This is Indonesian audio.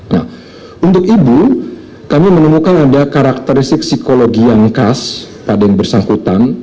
nah untuk ibu kami menemukan ada karakteristik psikologi yang khas pada yang bersangkutan